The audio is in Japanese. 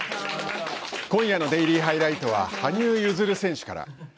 今夜のデイリーハイライトは羽生結弦選手から。